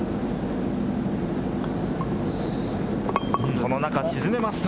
その中、沈めました！